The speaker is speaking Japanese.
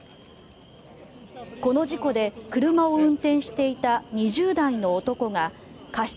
この事故で車を運転していた２０代の男が過失